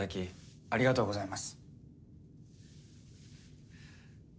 ありがとうございます。